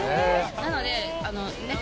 なので。